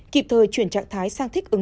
kịp thời chuyển trạng thái sang thích phòng